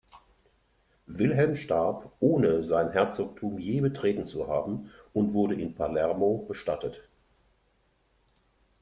Wilhelm starb, ohne sein Herzogtum je betreten zu haben, und wurde in Palermo bestattet.